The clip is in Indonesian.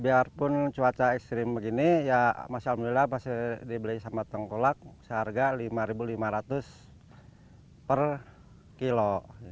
biarpun cuaca ekstrim begini ya masya allah pasti dibeli sama tengkolak seharga rp lima lima ratus per kilo